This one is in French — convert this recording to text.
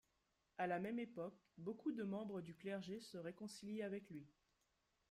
À la même époque, beaucoup de membres du clergé se réconcilient avec lui.